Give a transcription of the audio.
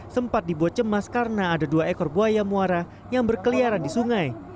sempat dibuat cemas karena ada dua ekor buaya muara yang berkeliaran di sungai